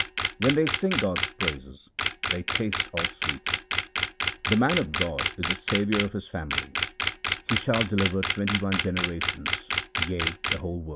When they sing God's praises, they taste all sweets. The man of God is the saviour of his family ; he shall deliver twenty one generations, 1 yea, the whole world.